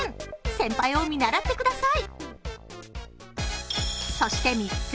先輩を見習ってください。